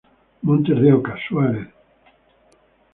Montes de Oca, Suárez, Av.